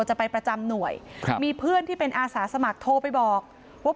จะไปประจำหน่วยครับมีเพื่อนที่เป็นอาสาสมัครโทรไปบอกว่า